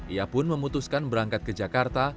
ia pun memutuskan berangkat ke jakarta